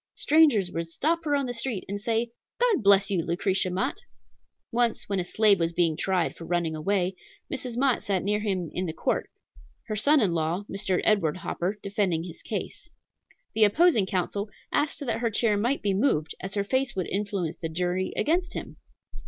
Strangers would stop her on the street and say, "God bless you, Lucretia Mott!" Once, when a slave was being tried for running away, Mrs. Mott sat near him in the court, her son in law, Mr. Edward Hopper, defending his case. The opposing counsel asked that her chair might be moved, as her face would influence the jury against him!